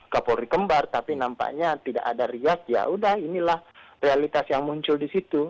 kapolri kembar tapi nampaknya tidak ada riak ya udah inilah realitas yang muncul di situ